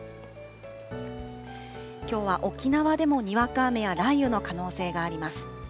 きょうは沖縄でもにわか雨や雷雨の可能性があります。